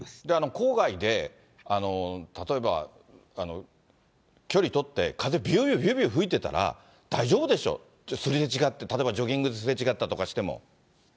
郊外で、例えば距離取って、風びゅーびゅーびゅーびゅー吹いてたら、大丈夫でしょ、すれ違って、例えばジョギングすれ違ったりとかしても。